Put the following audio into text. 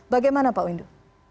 bagaimana pak windu